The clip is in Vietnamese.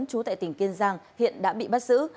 chú tại tỉnh tiền giang hiện đã bị bắt giữ